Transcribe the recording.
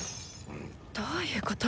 どういうこと？